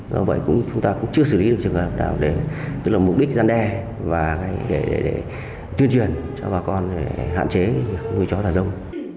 do vậy chúng ta cũng chưa xử lý được trường hợp nào để tức là mục đích gian đe và để tuyên truyền cho bà con để hạn chế nuôi chó thả rông